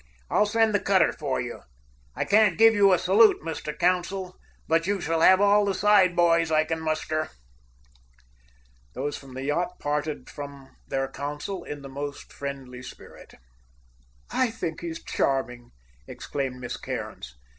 I'll send the cutter for you. I can't give you a salute, Mr. Consul, but you shall have all the side boys I can muster." Those from the yacht parted from their consul in the most friendly spirit. "I think he's charming!" exclaimed Miss Cairns.